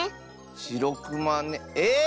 しろくまねえっ